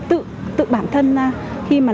tự bản thân khi mà